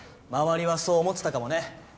周りはそう思ってたかもね。